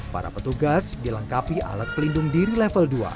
para petugas dilengkapi alat pelindung diri level dua